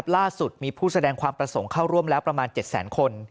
ล่าสุดมีผู้แสดงความประสงค์เข้าร่วมแล้วประมาณ๗แสนคน